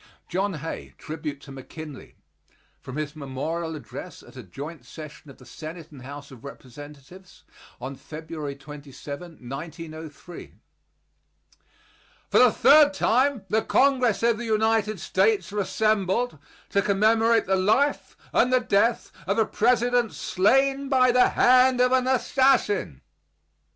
JOHN HAY TRIBUTE TO MCKINLEY From his memorial address at a joint session of the Senate and House of Representatives on February 27, 1903. For the third time the Congress of the United States are assembled to commemorate the life and the death of a president slain by the hand of an assassin.